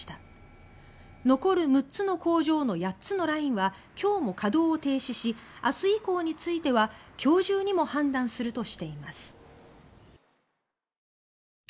残る６つの工場の８つのラインは今日も稼働を停止し明日以降については今日中にも判断するとしています。